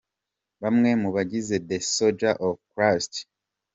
Bamwe mu bagize The Soldiers of Christ.